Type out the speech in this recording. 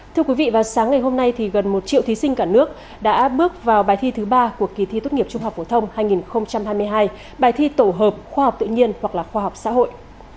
thưa quý vị vào sáng ngày hôm nay thì gần một triệu thí sinh cả nước đã bước vào bài thi thứ ba của kỳ thi tốt nghiệp trung học phổ thông hai nghìn hai mươi hai bài thi tổ hợp khoa học tự nhiên hoặc là khoa học xã hội